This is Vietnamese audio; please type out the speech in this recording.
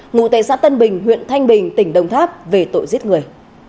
ngụ tại xã tân bình huyện thanh bình tỉnh đồng tháp về tội giết người